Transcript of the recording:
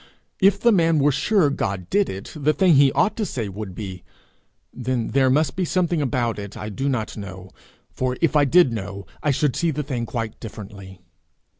If the man were sure God did it, the thing he ought to say would be, 'Then there must be something about it I do not know, which if I did know, I should see the thing quite differently.'